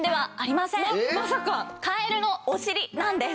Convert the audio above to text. ままさか⁉カエルのお尻なんです！